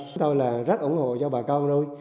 chúng tôi rất ủng hộ cho bà con nuôi